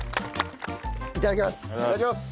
いただきます。